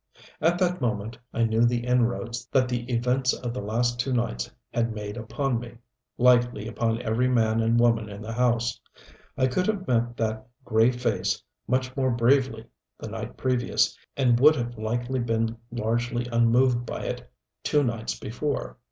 At that moment I knew the inroads that the events of the last two nights had made upon me likely upon every man and woman in the house. I could have met that gray face much more bravely the night previous, and would have likely been largely unmoved by it two nights before.